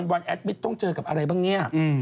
วันแอดมิตต้องเจอกับอะไรบ้างเนี่ย